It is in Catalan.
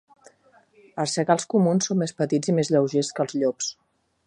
Els xacals comuns són més petits i més lleugers que els llops.